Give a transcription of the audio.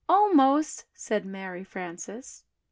"Almost!" said Mary Frances.